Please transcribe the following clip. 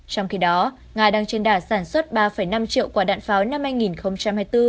trong khi đó nga đang trên đà sản xuất ba năm triệu quả đạn pháo năm hai nghìn hai mươi bốn